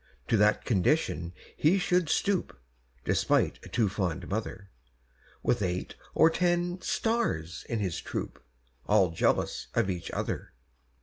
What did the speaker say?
To that condition he should stoop (Despite a too fond mother), With eight or ten "stars" in his troupe, All jealous of each other!